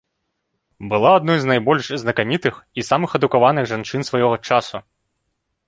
Была адной з найбольш знакамітых і самых адукаваных жанчын свайго часу.